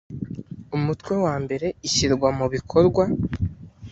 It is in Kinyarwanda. umutwe wambere ishyirwa mu bikorwa